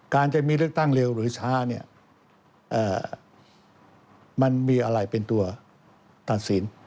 การจะมีเลือกตั้งเร็วหรือช้าเนี่ยมันมีอะไรเป็นตัวตัดสิน